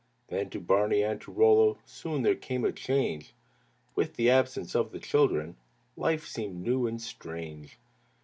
Then to Barney and to Rollo Soon there came a change. With the absence of the children Life seemed new and strange.